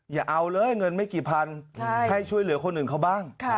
อย่าเอาเลยเงินไม่กี่พันให้ช่วยเหลือคนอื่นเขาบ้าง